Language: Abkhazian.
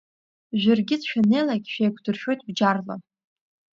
Жәыргьыҭ шәаннеилак шәеиқәдыршәоит бџьарла.